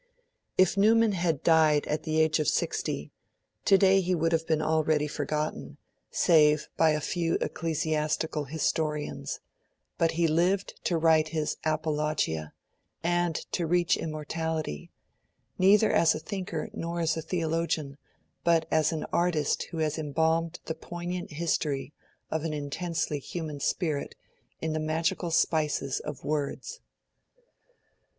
If Newman had died at the age of sixty, today he would have been already forgotten, save by a few ecclesiastical historians; but he lived to write his Apologia, and to reach immortality, neither as a thinker nor as a theologian, but as an artist who has embalmed the poignant history of an intensely human spirit in the magical spices of words.